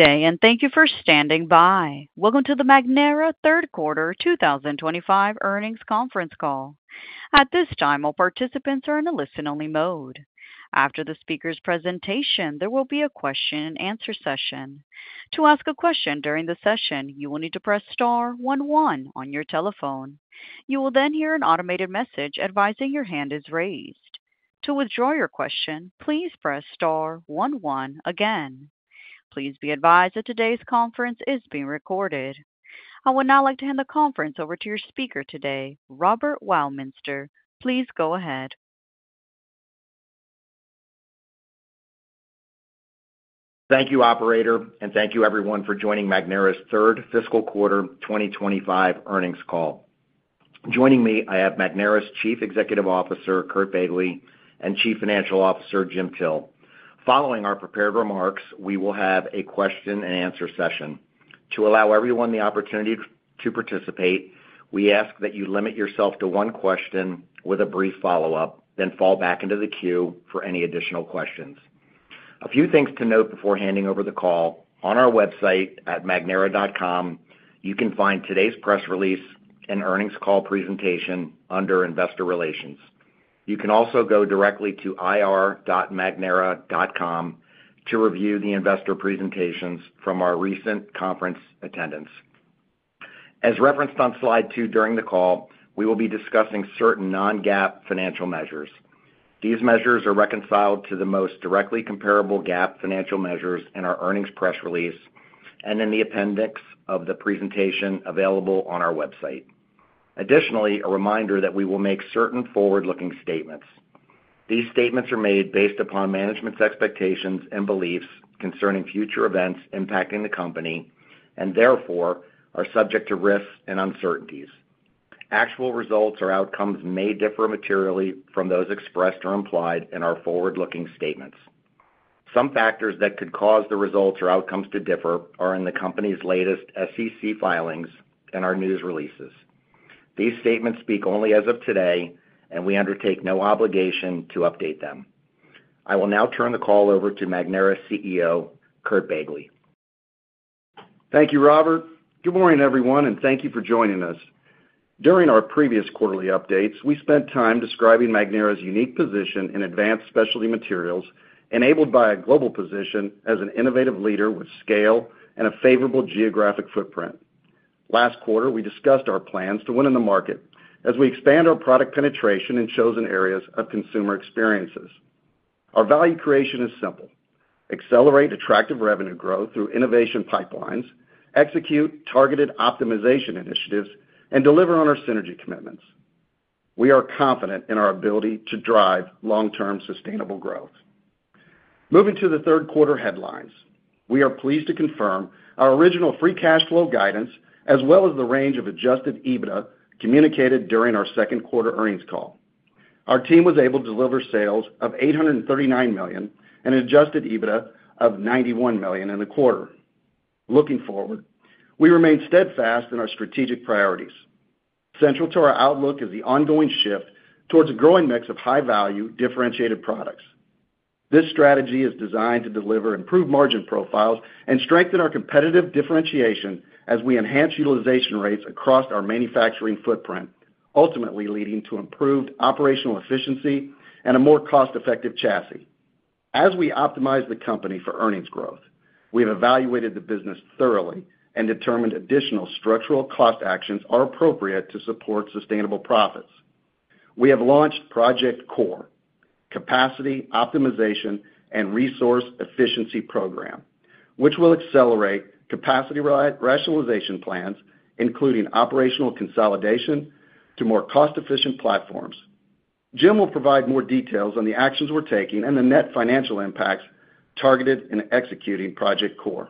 Today, and thank you for standing by. Welcome to the Magnera Third Quarter 2025 Earnings Conference Call. At this time, all participants are in a listen-only mode. After the speaker's presentation, there will be a question-and-answer session. To ask a question during the session, you will need to press Star, one one on your telephone. You will then hear an automated message advising your hand is raised. To withdraw your question, please press Star, one one again. Please be advised that today's conference is being recorded. I would now like to hand the conference over to your speaker today, Robert Weilminster. Please go ahead. Thank you, Operator, and thank you, everyone, for joining Magnera's Third Fiscal Quarter 2025 Earnings Call. Joining me, I have Magnera's Chief Executive Officer, Kurt Begley, and Chief Financial Officer, Jim Till. Following our prepared remarks, we will have a question-and-answer session. To allow everyone the opportunity to participate, we ask that you limit yourself to one question with a brief follow-up, then fall back into the queue for any additional questions. A few things to note before handing over the call. On our website at magnera.com, you can find today's press release and earnings call presentation under Investor Relations. You can also go directly to ir.magnera.com to review the investor presentations from our recent conference attendance. As referenced on slide two during the call, we will be discussing certain non-GAAP financial measures. These measures are reconciled to the most directly comparable GAAP financial measures in our earnings press release and in the appendix of the presentation available on our website. Additionally, a reminder that we will make certain forward-looking statements. These statements are made based upon management's expectations and beliefs concerning future events impacting the company and therefore are subject to risks and uncertainties. Actual results or outcomes may differ materially from those expressed or implied in our forward-looking statements. Some factors that could cause the results or outcomes to differ are in the company's latest SEC filings and our news releases. These statements speak only as of today, and we undertake no obligation to update them. I will now turn the call over to Magnera's CEO, Kurt Begley. Thank you, Robert. Good morning, everyone, and thank you for joining us. During our previous quarterly updates, we spent time describing Magnera's unique position in advanced specialty materials, enabled by a global position as an innovative leader with scale and a favorable geographic footprint. Last quarter, we discussed our plans to win in the market as we expand our product penetration in chosen areas of consumer experiences. Our value creation is simple: accelerate attractive revenue growth through innovation pipelines, execute targeted optimization initiatives, and deliver on our synergy commitments. We are confident in our ability to drive long-term sustainable growth. Moving to the third quarter headlines, we are pleased to confirm our original free cash flow guidance as well as the range of adjusted EBITDA communicated during our second quarter earnings call. Our team was able to deliver sales of $839 million and an adjusted EBITDA of $91 million in the quarter. Looking forward, we remain steadfast in our strategic priorities. Central to our outlook is the ongoing shift towards a growing mix of high-value, differentiated products. This strategy is designed to deliver improved margin profiles and strengthen our competitive differentiation as we enhance utilization rates across our manufacturing footprint, ultimately leading to improved operational efficiency and a more cost-effective chassis. As we optimize the company for earnings growth, we have evaluated the business thoroughly and determined additional structural cost actions are appropriate to support sustainable profits. We have launched Project Core, Capacity Optimization and Resource Efficiency Program, which will accelerate capacity rationalization plans, including operational consolidation to more cost-efficient platforms. Jim will provide more details on the actions we're taking and the net financial impacts targeted in executing Project Core.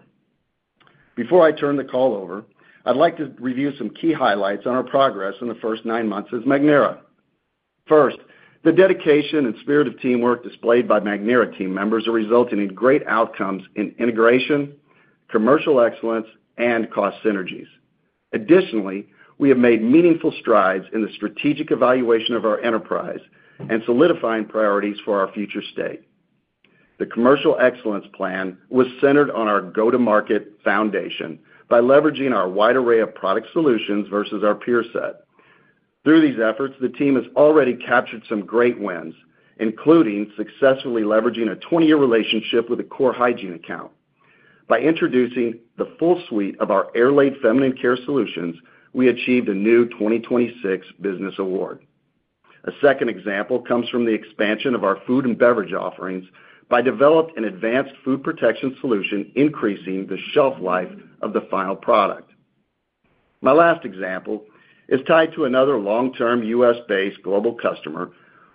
Before I turn the call over, I'd like to review some key highlights on our progress in the first nine months as Magnera. First, the dedication and spirit of teamwork displayed by Magnera team members are resulting in great outcomes in integration, commercial excellence, and cost synergies. Additionally, we have made meaningful strides in the strategic evaluation of our enterprise and solidifying priorities for our future state. The commercial excellence plan was centered on our go-to-market foundation by leveraging our wide array of product solutions versus our peer set. Through these efforts, the team has already captured some great wins, including successfully leveraging a 20-year relationship with a core hygiene account. By introducing the full suite of our air-laden feminine care solutions, we achieved a new 2026 business award. A second example comes from the expansion of our food and beverage offerings by developing an advanced food protection solution, increasing the shelf life of the final product. My last example is tied to another long-term U.S.-based global customer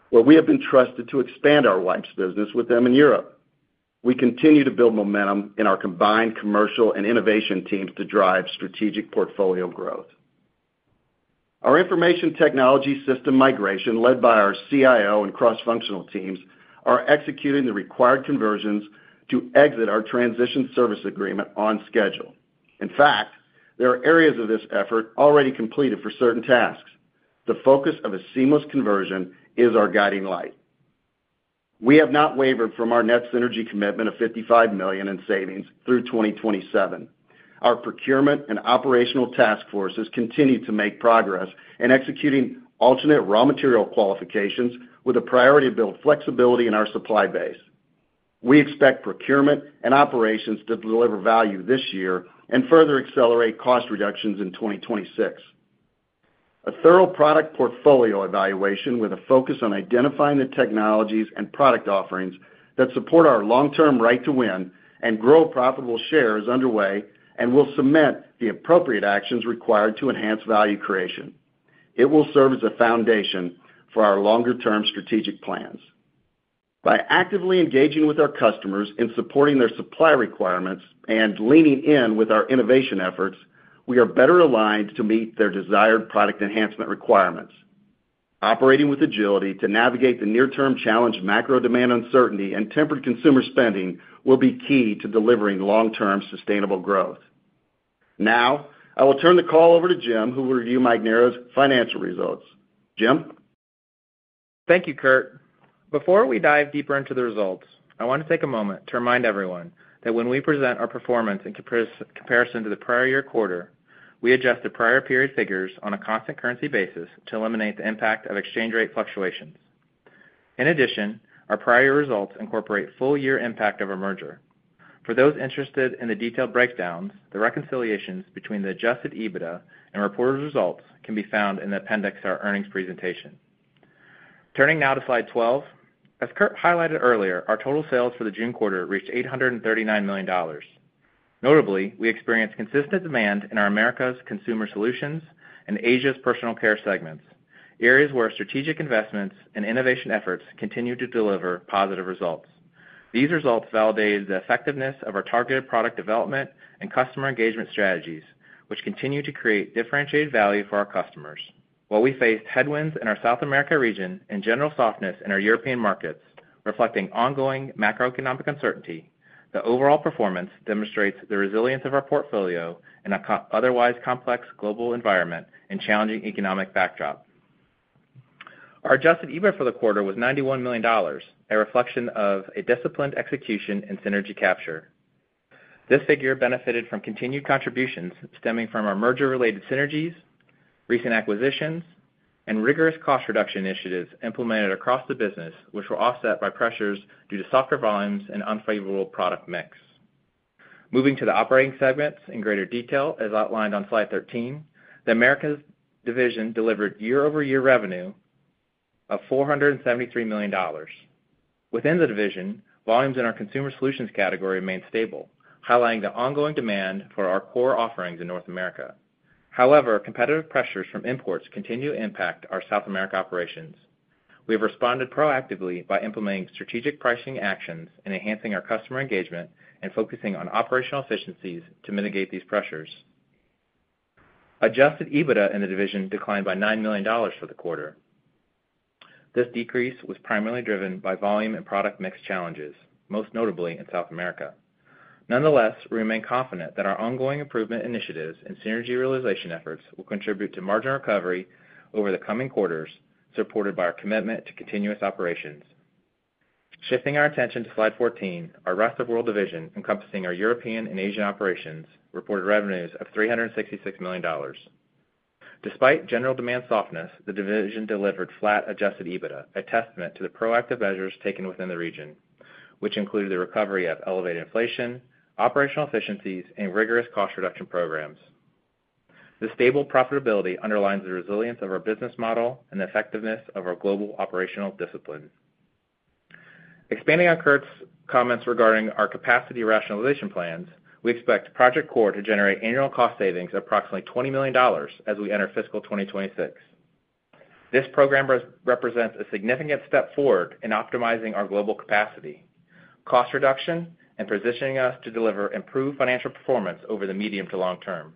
where we have been trusted to expand our wipes business with them in Europe. We continue to build momentum in our combined commercial and innovation teams to drive strategic portfolio growth. Our information technology system migration, led by our CIO and cross-functional teams, is executing the required conversions to exit our transition service agreement on schedule. In fact, there are areas of this effort already completed for certain tasks. The focus of a seamless conversion is our guiding light. We have not wavered from our net synergy commitment of $55 million in savings through 2027. Our procurement and operational task forces continue to make progress in executing alternate raw material qualifications with a priority to build flexibility in our supply base. We expect procurement and operations to deliver value this year and further accelerate cost reductions in 2026. A thorough product portfolio evaluation with a focus on identifying the technologies and product offerings that support our long-term right to win and grow profitable shares is underway and will cement the appropriate actions required to enhance value creation. It will serve as a foundation for our longer-term strategic plans. By actively engaging with our customers in supporting their supply requirements and leaning in with our innovation efforts, we are better aligned to meet their desired product enhancement requirements. Operating with agility to navigate the near-term challenge of macro demand uncertainty and tempered consumer spending will be key to delivering long-term sustainable growth. Now, I will turn the call over to Jim, who will review Magnera's financial results. Jim? Thank you, Kurt. Before we dive deeper into the results, I want to take a moment to remind everyone that when we present our performance in comparison to the prior year quarter, we adjust the prior period figures on a constant currency basis to eliminate the impact of exchange rate fluctuations. In addition, our prior year results incorporate full-year impact of our merger. For those interested in the detailed breakdown, the reconciliations between the adjusted EBITDA and reported results can be found in the appendix of our earnings presentation. Turning now to slide 12, as Kurt highlighted earlier, our total sales for the June quarter reached $839 million. Notably, we experienced consistent demand in our Americas consumer solutions and Asia's personal care segments, areas where strategic investments and innovation efforts continue to deliver positive results. These results validated the effectiveness of our targeted product development and customer engagement strategies, which continue to create differentiated value for our customers. While we faced headwinds in our South America region and general softness in our European markets, reflecting ongoing macroeconomic uncertainty, the overall performance demonstrates the resilience of our portfolio in an otherwise complex global environment and challenging economic backdrop. Our adjusted EBITDA for the quarter was $91 million, a reflection of a disciplined execution and synergy capture. This figure benefited from continued contributions stemming from our merger-related synergies, recent acquisitions, and rigorous cost reduction initiatives implemented across the business, which were offset by pressures due to softer volumes and unfavorable product mix. Moving to the operating segments in greater detail, as outlined on slide 13, the Americas division delivered year-over-year revenue of $473 million. Within the division, volumes in our consumer solutions category remain stable, highlighting the ongoing demand for our core offerings in North America. However, competitive pressures from imports continue to impact our South America operations. We have responded proactively by implementing strategic pricing actions and enhancing our customer engagement and focusing on operational efficiencies to mitigate these pressures. Adjusted EBITDA in the division declined by $9 million for the quarter. This decrease was primarily driven by volume and product mix challenges, most notably in South America. Nonetheless, we remain confident that our ongoing improvement initiatives and synergy realization efforts will contribute to margin recovery over the coming quarters, supported by our commitment to continuous operations. Shifting our attention to slide 14, our Rest of World division, encompassing our European and Asian operations, reported revenues of $366 million. Despite general demand softness, the division delivered flat adjusted EBITDA, a testament to the proactive measures taken within the region, which included the recovery of elevated inflation, operational efficiencies, and rigorous cost reduction programs. The stable profitability underlines the resilience of our business model and the effectiveness of our global operational discipline. Expanding on Kurt's comments regarding our capacity rationalization plans, we expect Project Core to generate annual cost savings of approximately $20 million as we enter fiscal 2026. This program represents a significant step forward in optimizing our global capacity, cost reduction, and positioning us to deliver improved financial performance over the medium to long term.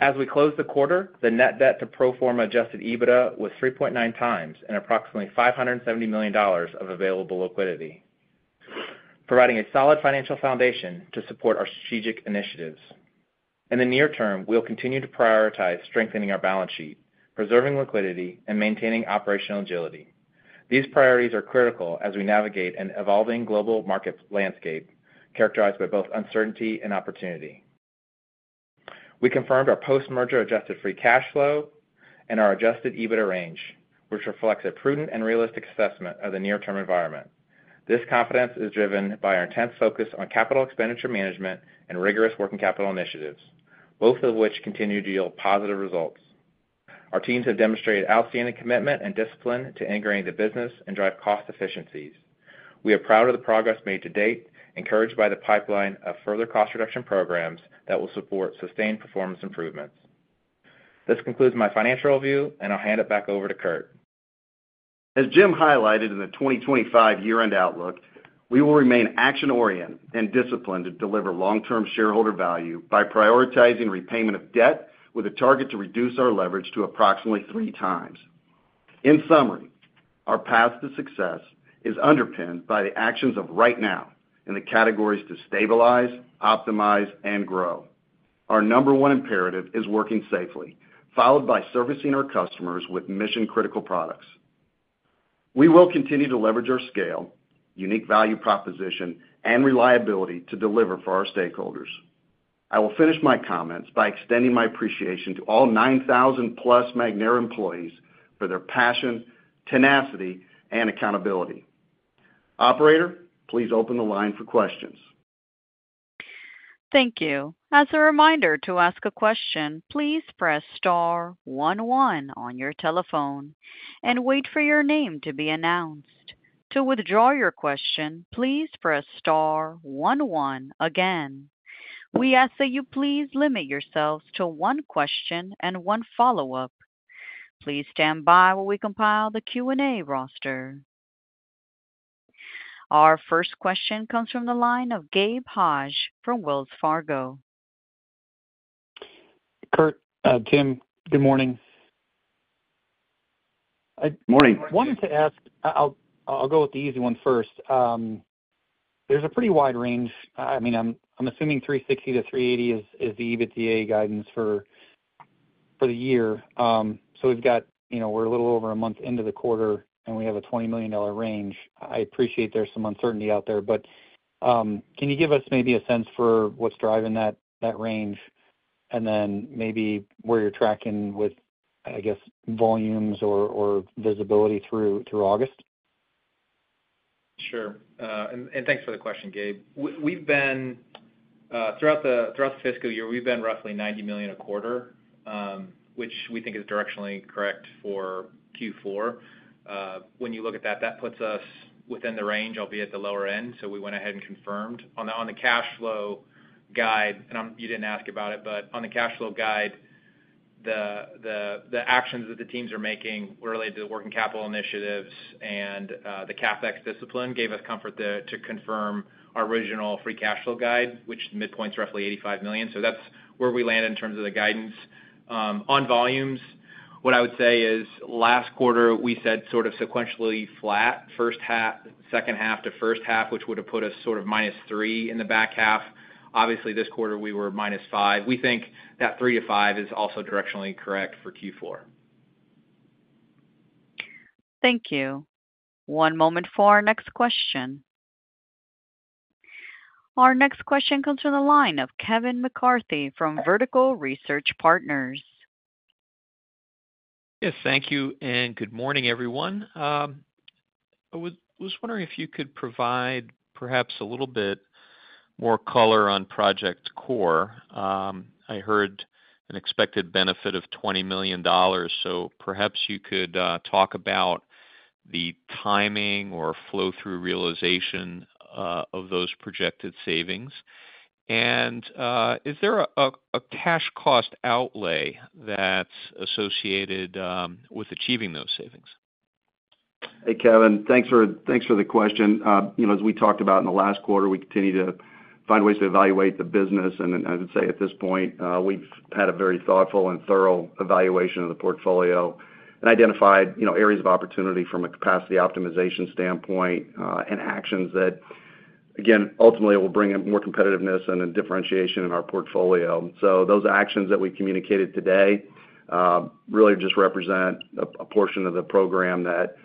As we close the quarter, the net debt to pro forma adjusted EBITDA was 3.9x and approximately $570 million of available liquidity, providing a solid financial foundation to support our strategic initiatives. In the near term, we'll continue to prioritize strengthening our balance sheet, preserving liquidity, and maintaining operational agility. These priorities are critical as we navigate an evolving global market landscape characterized by both uncertainty and opportunity. We confirmed our post-merger adjusted free cash flow and our adjusted EBITDA range, which reflects a prudent and realistic assessment of the near-term environment. This confidence is driven by our intense focus on capital expenditure management and rigorous working capital initiatives, both of which continue to yield positive results. Our teams have demonstrated outstanding commitment and discipline to integrating the business and drive cost efficiencies. We are proud of the progress made to date, encouraged by the pipeline of further cost reduction programs that will support sustained performance improvements. This concludes my financial overview, and I'll hand it back over to Kurt. As Jim Till highlighted in the 2025 year-end outlook, we will remain action-oriented and disciplined to deliver long-term shareholder value by prioritizing repayment of debt with a target to reduce our leverage to approximately 3x. In summary, our path to success is underpinned by the actions of right now in the categories to stabilize, optimize, and grow. Our number one imperative is working safely, followed by servicing our customers with mission-critical products. We will continue to leverage our scale, unique value proposition, and reliability to deliver for our stakeholders. I will finish my comments by extending my appreciation to all 9,000+ Magnera employees for their passion, tenacity, and accountability. Operator, please open the line for questions. Thank you. As a reminder, to ask a question, please press Star, one one on your telephone and wait for your name to be announced. To withdraw your question, please press Star, one one again. We ask that you please limit yourselves to one question and one follow-up. Please stand by while we compile the Q&A roster. Our first question comes from the line of Gabe Hajde from Wells Fargo. Kurt, Jim, good morning. Morning. I wanted to ask, I'll go with the easy one first. There's a pretty wide range. I'm assuming $360 million-$380 million is the adjusted EBITDA guidance for the year. We've got, you know, we're a little over a month into the quarter, and we have a $20 million range. I appreciate there's some uncertainty out there, but can you give us maybe a sense for what's driving that range and then maybe where you're tracking with, I guess, volumes or visibility through August? Sure. Thanks for the question, Gabe. We've been, throughout the fiscal year, roughly $90 million a quarter, which we think is directionally correct for Q4. When you look at that, that puts us within the range, albeit at the lower end. We went ahead and confirmed. On the cash flow guide, and you didn't ask about it, on the cash flow guide, the actions that the teams are making related to working capital initiatives and the CapEx discipline gave us comfort to confirm our original free cash flow guide, which midpoints roughly $85 million. That's where we landed in terms of the guidance. On volumes, what I would say is last quarter we said sort of sequentially flat, first half, second half to first half, which would have put us sort of -3% in the back half. Obviously, this quarter we were -5%. We think that 3%-5% is also directionally correct for Q4. Thank you. One moment for our next question. Our next question comes from the line of Kevin McCarthy from Vertical Research Partners. Yes, thank you, and good morning, everyone. I was wondering if you could provide perhaps a little bit more color on Project Core. I heard an expected benefit of $20 million, so perhaps you could talk about the timing or flow-through realization of those projected savings. Is there a cash cost outlay that's associated with achieving those savings? Hey, Kevin. Thanks for the question. As we talked about in the last quarter, we continue to find ways to evaluate the business. I would say at this point, we've had a very thoughtful and thorough evaluation of the portfolio and identified areas of opportunity from a capacity optimization standpoint and actions that, again, ultimately will bring in more competitiveness and a differentiation in our portfolio. Those actions that we communicated today really just represent a portion of the program that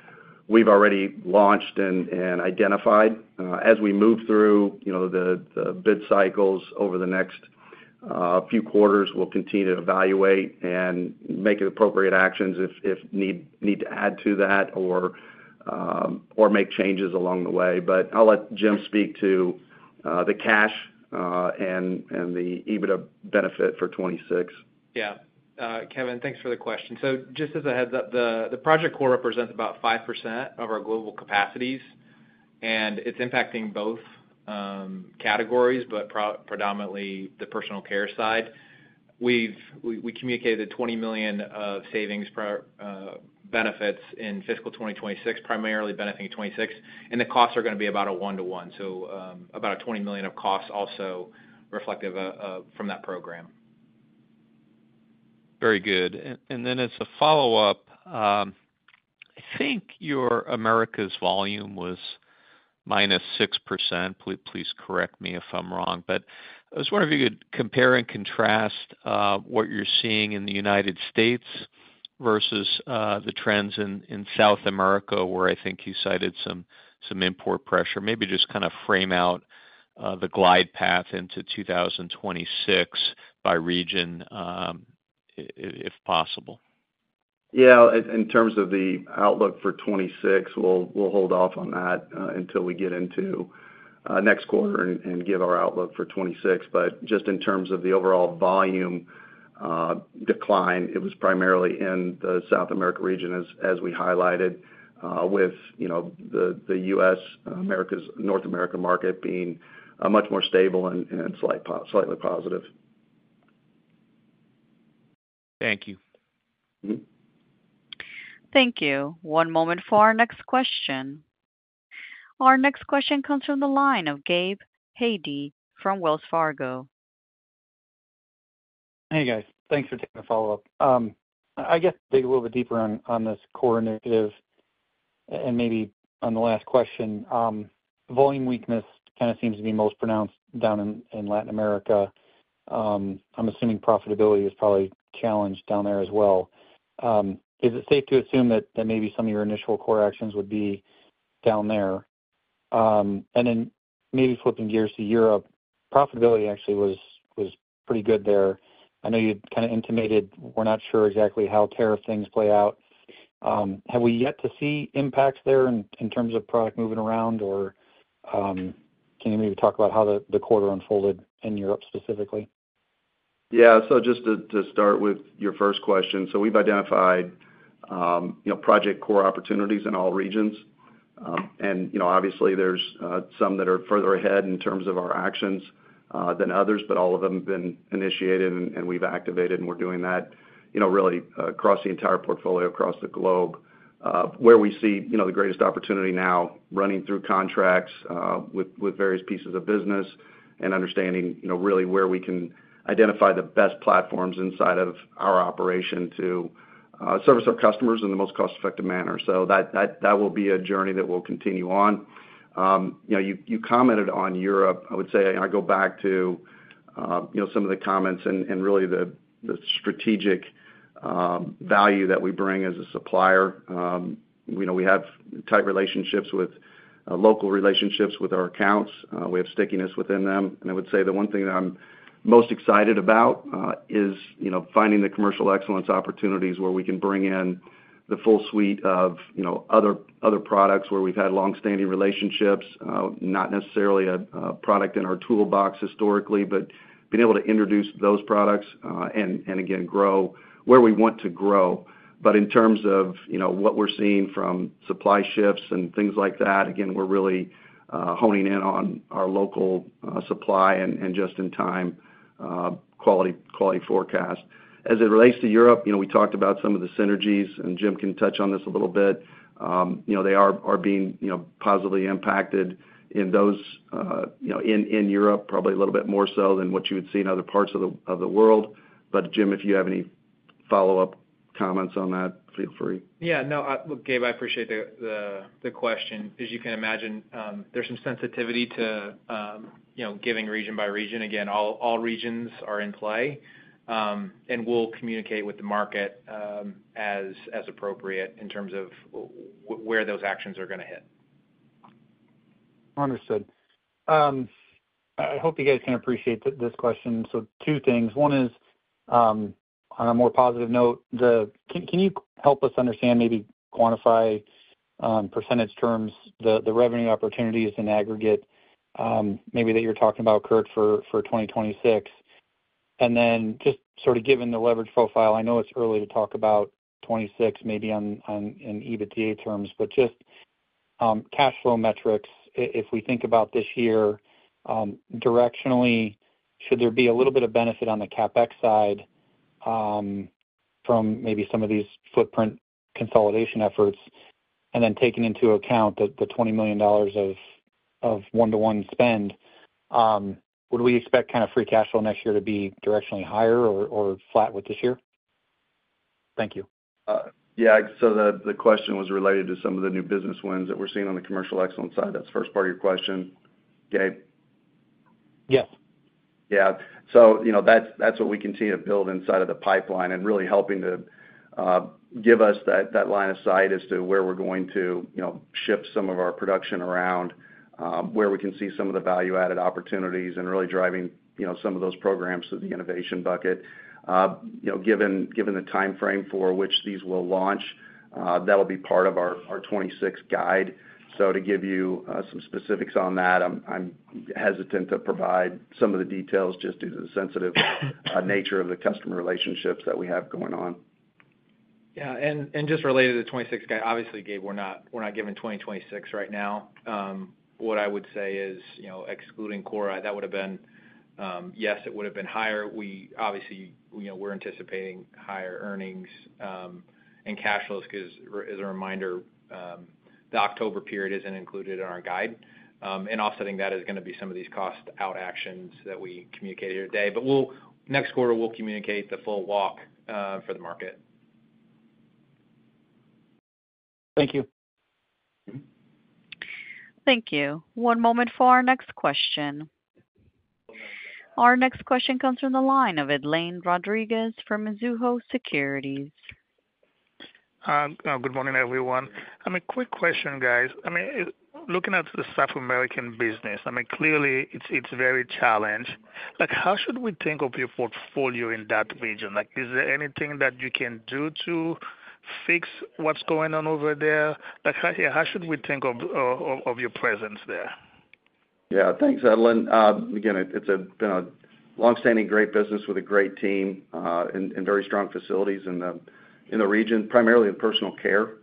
we've already launched and identified. As we move through the bid cycles over the next few quarters, we'll continue to evaluate and make the appropriate actions if we need to add to that or make changes along the way. I'll let Jim speak to the cash and the EBITDA benefit for 2026. Yeah. Kevin, thanks for the question. Just as a heads up, Project Core represents about 5% of our global capacities, and it's impacting both categories, but predominantly the personal care side. We communicated the $20 million of savings benefits in fiscal 2026, primarily benefiting 2026, and the costs are going to be about a one-to-one, so about $20 million of costs also reflective from that program. Very good. As a follow-up, I think your Americas volume was -6%. Please correct me if I'm wrong. I was wondering if you could compare and contrast what you're seeing in the United States versus the trends in South America, where I think you cited some import pressure. Maybe just kind of frame out the glide path into 2026 by region, if possible. Yeah, in terms of the outlook for 2026, we'll hold off on that until we get into next quarter and give our outlook for 2026. Just in terms of the overall volume decline, it was primarily in the South America region, as we highlighted, with the U.S., Americas, North America market being much more stable and slightly positive. Thank you. Thank you. One moment for our next question. Our next question comes from the line of Gabe Hajde from Wells Fargo. Hey, guys. Thanks for taking the follow-up. I guess dig a little bit deeper on this core initiative and maybe on the last question. Volume weakness kind of seems to be most pronounced down in South America. I'm assuming profitability is probably challenged down there as well. Is it safe to assume that maybe some of your initial core actions would be down there? Flipping gears to Europe, profitability actually was pretty good there. I know you kind of intimated we're not sure exactly how tariff things play out. Have we yet to see impacts there in terms of product moving around, or can you maybe talk about how the quarter unfolded in Europe specifically? Yeah. Just to start with your first question, we've identified, you know, Project Core opportunities in all regions. Obviously, there's some that are further ahead in terms of our actions than others, but all of them have been initiated and we've activated, and we're doing that really across the entire portfolio across the globe. Where we see the greatest opportunity now is running through contracts with various pieces of business and understanding where we can identify the best platforms inside of our operation to service our customers in the most cost-effective manner. That will be a journey that we'll continue on. You commented on Europe. I would say I go back to some of the comments and really the strategic value that we bring as a supplier. We have tight relationships with local relationships with our accounts. We have stickiness within them. I would say the one thing that I'm most excited about is finding the commercial excellence opportunities where we can bring in the full suite of other products where we've had longstanding relationships, not necessarily a product in our toolbox historically, but being able to introduce those products and, again, grow where we want to grow. In terms of what we're seeing from supply shifts and things like that, we're really honing in on our local supply and just-in-time quality forecast. As it relates to Europe, we talked about some of the synergies, and Jim can touch on this a little bit. They are being positively impacted in those, in Europe, probably a little bit more so than what you would see in other parts of the world. Jim, if you have any follow-up comments on that, feel free. Yeah. No, Gabe, I appreciate the question. As you can imagine, there's some sensitivity to giving region by region. Again, all regions are in play and will communicate with the market as appropriate in terms of where those actions are going to hit. Understood. I hope you guys can appreciate this question. Two things. One is, on a more positive note, can you help us understand, maybe quantify in percentage terms, the revenue opportunities in aggregate, maybe that you're talking about, Kurt, for 2026? Just sort of given the leverage profile, I know it's early to talk about 2026, maybe on EBITDA terms, but just cash flow metrics, if we think about this year, directionally, should there be a little bit of benefit on the CapEx side from maybe some of these footprint consolidation efforts? Taking into account the $20 million of one-to-one spend, would we expect kind of free cash flow next year to be directionally higher or flat with this year? Thank you. Yeah, the question was related to some of the new business wins that we're seeing on the commercial excellence side. That's the first part of your question, Gabe? Yes. Yeah, that's what we continue to build inside of the pipeline and really helping to give us that line of sight as to where we're going to shift some of our production around, where we can see some of the value-added opportunities and really driving some of those programs to the innovation bucket. Given the timeframe for which these will launch, that'll be part of our 2026 guide. To give you some specifics on that, I'm hesitant to provide some of the details just due to the sensitive nature of the customer relationships that we have going on. Yeah. Just related to the 2026 guide, obviously, Gabe, we're not giving 2026 right now. What I would say is, you know, excluding Core, that would have been, yes, it would have been higher. We obviously, you know, we're anticipating higher earnings and cash flows because, as a reminder, the October period isn't included in our guide. Offsetting that is going to be some of these cost-out actions that we communicated here today. Next quarter, we'll communicate the full walk for the market. Thank you. Thank you. One moment for our next question. Our next question comes from the line of Edlain Rodriguez from Mizuho Securities. Good morning, everyone. Quick question, guys. Looking at the South American business, clearly, it's very challenged. How should we think of your portfolio in that region? Is there anything that you can do to fix what's going on over there? How should we think of your presence there? Yeah, thanks, Edlain. It's been a longstanding great business with a great team and very strong facilities in the region, primarily the personal care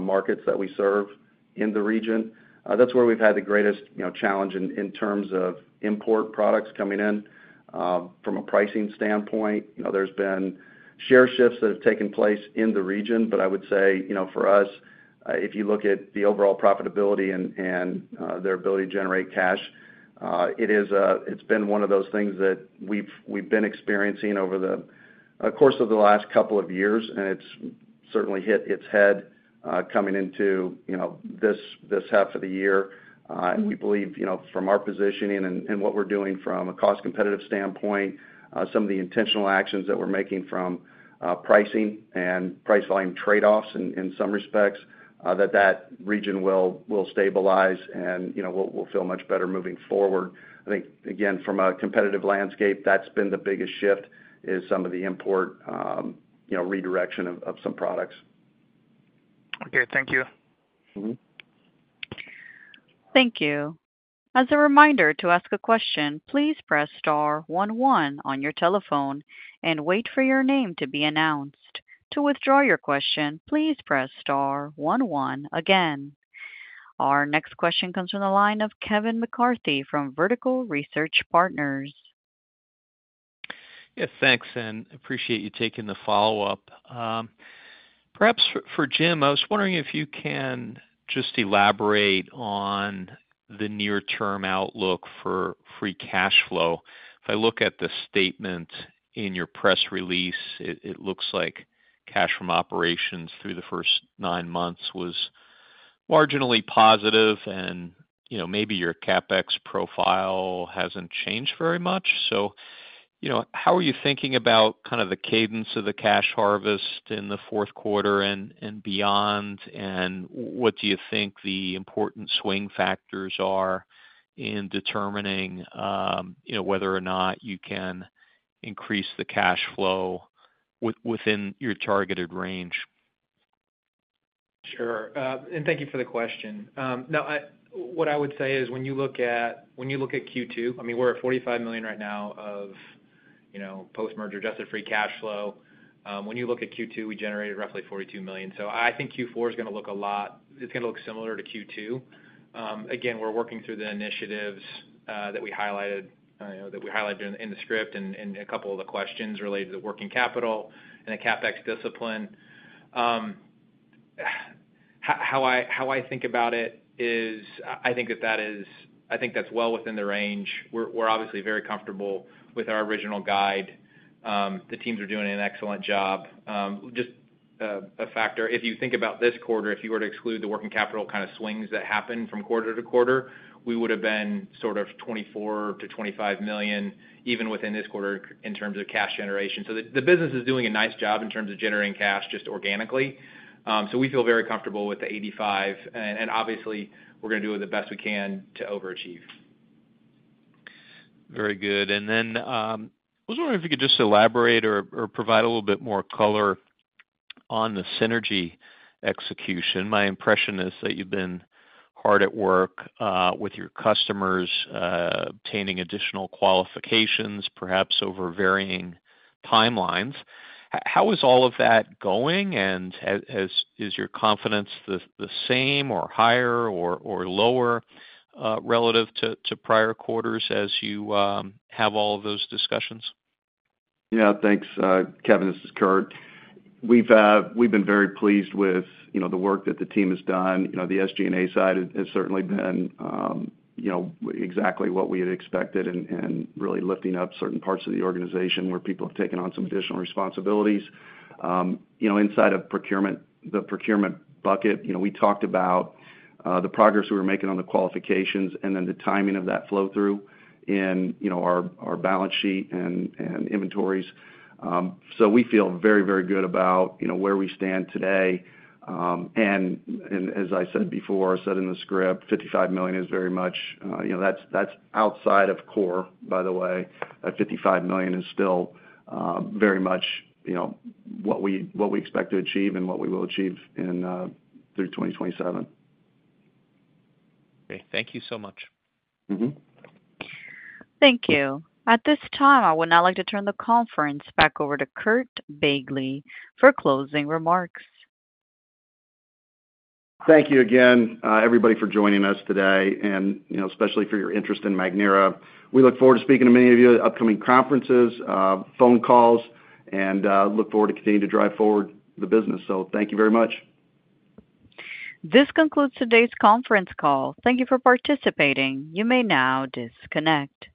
markets that we serve in the region. That's where we've had the greatest challenge in terms of import products coming in. From a pricing standpoint, there's been share shifts that have taken place in the region, but I would say, for us, if you look at the overall profitability and their ability to generate cash, it's been one of those things that we've been experiencing over the course of the last couple of years, and it's certainly hit its head coming into this half of the year. We believe, from our positioning and what we're doing from a cost-competitive standpoint, some of the intentional actions that we're making from pricing and price volume trade-offs in some respects, that that region will stabilize and we'll feel much better moving forward. I think, from a competitive landscape, that's been the biggest shift, is some of the import redirection of some products. Okay, thank you. Thank you. As a reminder, to ask a question, please press Star, one one on your telephone and wait for your name to be announced. To withdraw your question, please press star one-one again. Our next question comes from the line of Kevin McCarthy from Vertical Research Partners. Yes, thanks, and I appreciate you taking the follow-up. Perhaps for Jim, I was wondering if you can just elaborate on the near-term outlook for free cash flow. If I look at the statement in your press release, it looks like cash from operations through the first nine months was marginally positive, and maybe your CapEx profile hasn't changed very much. How are you thinking about kind of the cadence of the cash harvest in the fourth quarter and beyond, and what do you think the important swing factors are in determining whether or not you can increase the cash flow within your targeted range? Sure. Thank you for the question. No, what I would say is when you look at Q2, I mean, we're at $45 million right now of post-merger adjusted free cash flow. When you look at Q2, we generated roughly $42 million. I think Q4 is going to look a lot, it's going to look similar to Q2. Again, we're working through the initiatives that we highlighted in the script and a couple of the questions related to the working capital and the CapEx discipline. How I think about it is I think that is, I think that's well within the range. We're obviously very comfortable with our original guide. The teams are doing an excellent job. Just a factor, if you think about this quarter, if you were to exclude the working capital kind of swings that happen from quarter to quarter, we would have been sort of $24 million-$25 million, even within this quarter in terms of cash generation. The business is doing a nice job in terms of generating cash just organically. We feel very comfortable with the $85 million, and obviously, we're going to do the best we can to overachieve. Very good. I was wondering if you could just elaborate or provide a little bit more color on the synergy execution. My impression is that you've been hard at work with your customers, obtaining additional qualifications, perhaps over varying timelines. How is all of that going? Is your confidence the same or higher or lower relative to prior quarters as you have all of those discussions? Yeah, thanks. Kevin, this is Kurt. We've been very pleased with the work that the team has done. The SG&A side has certainly been exactly what we had expected and really lifting up certain parts of the organization where people have taken on some additional responsibilities. Inside of the procurement bucket, we talked about the progress we were making on the qualifications and then the timing of that flow-through in our balance sheet and inventories. We feel very, very good about where we stand today. As I said before, I said in the script, $55 million is very much, that's outside of Core, by the way. $55 million is still very much what we expect to achieve and what we will achieve through 2027. Okay, thank you so much. Thank you. At this time, I would now like to turn the conference back over to Kurt Begle for closing remarks. Thank you again, everybody, for joining us today, and especially for your interest in Magnera. We look forward to speaking to many of you at upcoming conferences and phone calls, and look forward to continuing to drive forward the business. Thank you very much. This concludes today's conference call. Thank you for participating. You may now disconnect.